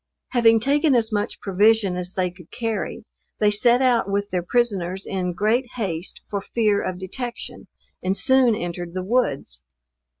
Having taken as much provision as they could carry, they set out with their prisoners in great haste, for fear of detection, and soon entered the woods.